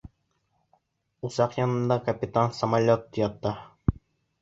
Усаҡ янында капитан Смолетт ята.